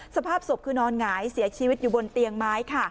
สภาพศพคือนอนหงายเสียชีวิตอยู่บนเตียงไม้ค่ะ